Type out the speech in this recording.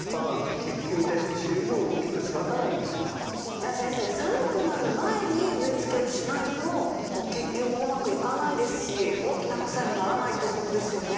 じゃあ先生寒くなる前に植え付けをしないとこう結球もうまくいかないですし大きなハクサイにならないということですよね。